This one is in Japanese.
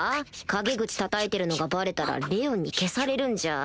陰口たたいてるのがバレたらレオンに消されるんじゃ